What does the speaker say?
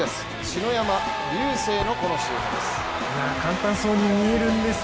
篠山竜青のこのシュートです。